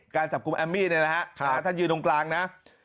การจับคุมแอมมี่ค่ะท่านยืนตรงกลางนะ